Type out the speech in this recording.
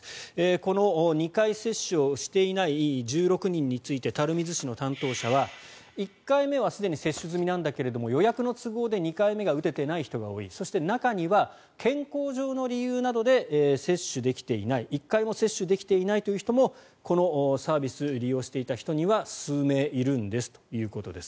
この２回接種をしていない１６人について垂水市の担当者は１回目はすでに接種済みだが予約の都合で２回目が打ててない人が多いそして中には健康上の理由などで接種できていない１回も接種できていないという人もこのサービス利用していた人に数名いるんですということです。